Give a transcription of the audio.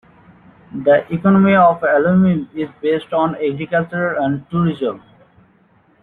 The economy of Alumim is based on agriculture and tourism.